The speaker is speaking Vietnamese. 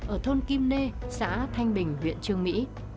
ở thôn kim nê xã thanh bình huyện trương mỹ